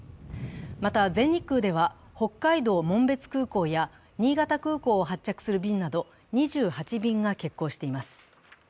また、全日空では、北海道・紋別空港や新潟空港を発着する便など２８便が欠航しています。